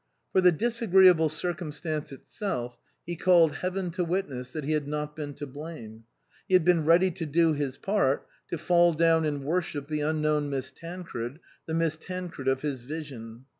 For the disagreeable circumstance itself he called Heaven to witness that he had not been to blame. He had been ready to do his part, to fall down and worship the unknown Miss Tan cred, the Miss Tancred of his vision.